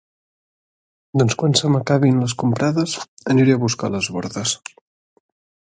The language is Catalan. Doncs quan se m'acabin les comprades aniré a buscar les bordes